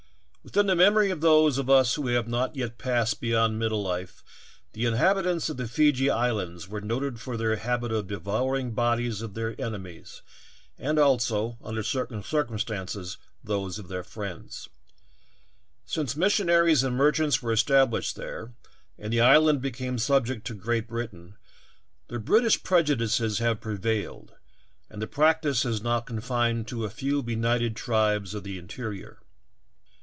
Within the memory of those of us who have not yet passed beyond middle life the inhabitants of the Feejee Islands were noted for their habit of devouring the bodies of their enemies, and also, under certain circumstances, those of their friends ; since missionaries and merchants were established there, and the island became subject to Great Britain, the British prejudices have prevailed, and the practice is now confined to a few benighted tribes of the interior.